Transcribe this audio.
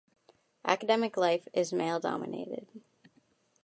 Academic life is male-dominated.